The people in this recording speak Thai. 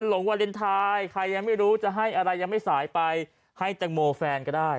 ลงวาเลนไทยใครยังไม่รู้จะให้อะไรยังไม่สายไปให้แตงโมแฟนก็ได้